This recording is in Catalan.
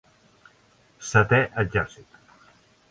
Setè Exèrcit.